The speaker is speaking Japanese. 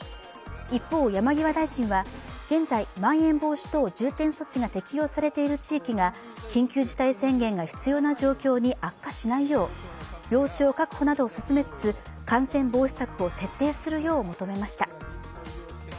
一方、山際大臣は、現在、まん延防止等重点措置が適用されている地域が緊急事態宣言が必要な状況に悪化しないよう、病床確保などを進めつつ感染防止策を徹底するよう求めました。